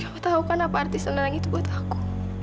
kamu tau kan apa artis lenang itu buat aku